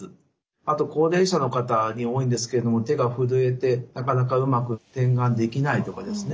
あと高齢者の方に多いんですけれども手が震えてなかなかうまく点眼できないとかですね